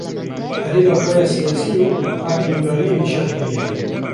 herêma xwe ya siyasî û erdnigariyê nişan kiriye.